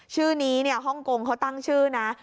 ชื่อนี้ฮ่องกงเขาตั้งชื่อนะ